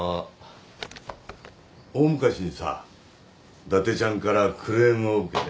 大昔にさ伊達ちゃんからクレームを受けて。